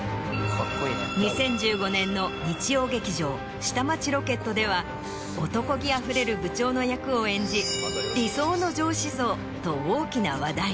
２０１５年の日曜劇場『下町ロケット』ではおとこ気あふれる部長の役を演じ「理想の上司像」と大きな話題に。